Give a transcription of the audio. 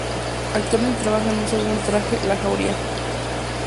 Actualmente trabaja en su segundo largometraje, "La Jauría".